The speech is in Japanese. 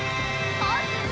ポーズ！